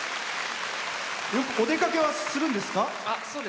お出かけはするんですか？